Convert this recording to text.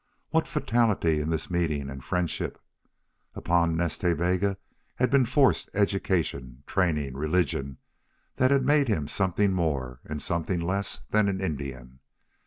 What fatality in this meeting and friendship! Upon Nas Ta Bega had been forced education, training, religion, that had made him something more and something less than an Indian.